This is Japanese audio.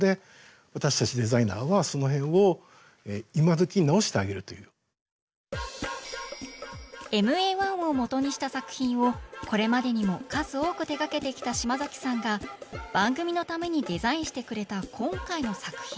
どうしてもこうＭＡ−１を元にした作品をこれまでにも数多く手掛けてきた嶋さんが番組のためにデザインしてくれた今回の作品。